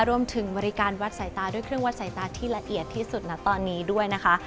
รวมถึงบริการวัดสายตาด้วยเครื่องวัดสายตาที่ละเอียดที่สุดนะตอนนี้ด้วยนะคะ